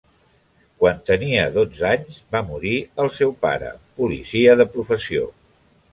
Quan tenia dotze anys va morir el seu pare, policia de professió.